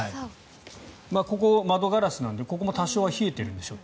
ここ、窓ガラスなのでここも多少冷えてるんでしょう。